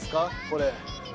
これ。